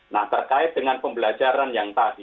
nah terkait dengan pembelajaran yang tadi